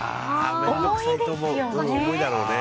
思いですよね。